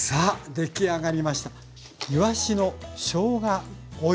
出来上がりました。